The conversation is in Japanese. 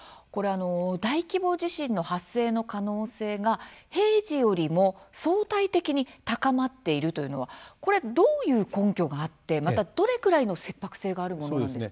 大規模地震の発生の可能性が平時よりも相対的に高まっているというのはこれ、どういう根拠があってまた、どれくらいの切迫性があるものなんですか？